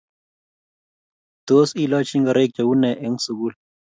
tos ilochi ngoroik cheune eng sukul